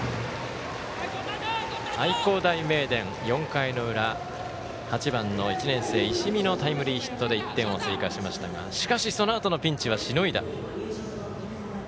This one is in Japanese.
愛工大名電、４回の裏８番の１年生の石見のタイムリーヒットで１点を追加しましたがしかし、そのあとのピンチしのいだ。